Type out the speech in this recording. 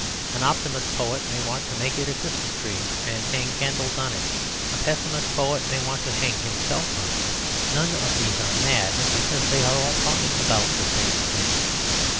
An optimist poet may want to make it a Christmas tree and hang candles on it. A pessimist poet may want to hang himself on it. None of these are mad, because they are all talking about the same thing.